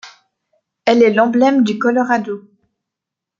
Elle est l'emblème du Colorado.